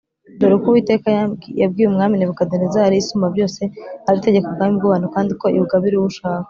. Dore uko Uwiteka yabwiye Umwami Nebukadinezari: “Isumbabyose ari yo itegeka ubwami bw’abantu, kandi ko ibugabira uwo ishaka.